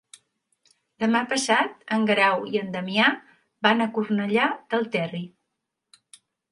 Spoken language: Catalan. Demà passat en Guerau i en Damià van a Cornellà del Terri.